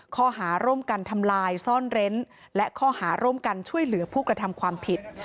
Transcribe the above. ข้อหาร่วมกันทำลายซ่อนเร้นและข้อหาร่วมกันช่วยเหลือผู้กระทำความผิด